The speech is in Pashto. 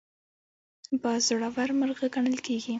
باز زړور مرغه ګڼل کېږي